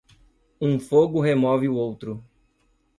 Um fogo remove o outro.